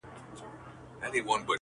زمانه که دي په رایه نه ځي خیر دی،